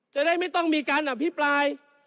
จะได้ไม่ต้องมีการอภิปราย